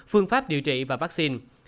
phương pháp điều trị và vaccine